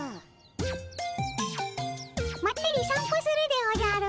まったり散歩するでおじゃる。